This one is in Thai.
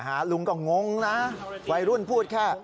หาลุงก็งงนะไวรุ่นพูดค่ะ